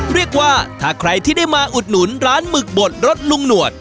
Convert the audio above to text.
เรียกว่าถ้าใครที่ได้มาอุดหนุนร้านหมึกบดรสลุงหนวด